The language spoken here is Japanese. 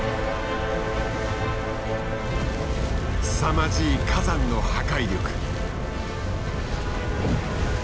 すさまじい火山の破壊力。